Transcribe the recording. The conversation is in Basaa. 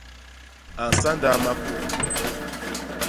A nsandaa makôô.